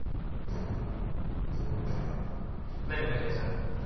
何をお願いしたの。